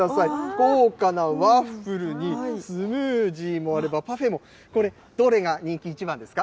豪華なワッフルに、スムージーもあれば、パフェも、これ、どれが人気一番ですか？